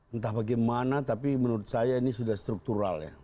entah bagaimana tapi menurut saya ini sudah struktural ya